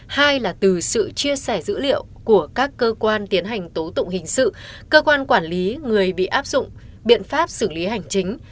hai là từ sự chia sẻ dữ liệu của các cơ quan tiến hành tố tụng hình sự cơ quan quản lý người bị áp dụng biện pháp xử lý hành chính